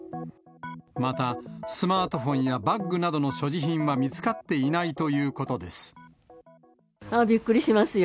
またスマートフォンやバッグなどの所持品は見つかっていないといびっくりしますよ。